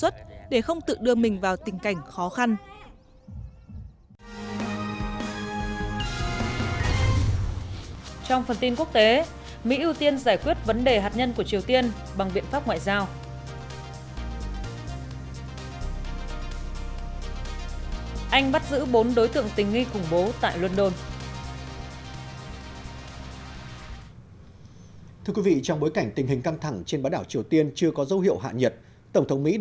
trong bối cảnh tình hình căng thẳng trên bãi đảo triều tiên chưa có dấu hiệu hạ nhiệt